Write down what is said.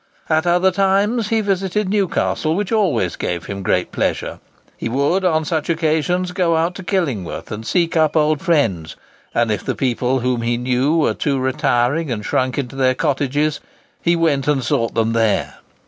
At other times he visited Newcastle, which always gave him great pleasure. He would, on such occasions, go out to Killingworth and seek up old friends, and if the people whom he knew were too retiring, and shrunk into their cottages, he went and sought them there.